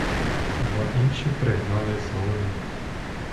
Два інші пригнали згодом.